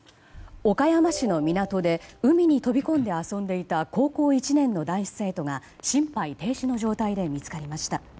岡山市の港で海に飛び込んで遊んでいた高校１年の男子生徒が心肺停止の状態で見つかりました。